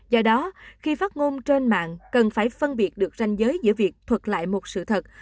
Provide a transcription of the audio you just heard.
do đó khi phát ngôn trên mạng cần phải phân biệt được ranh giới giữa việc thuật lại một sự thật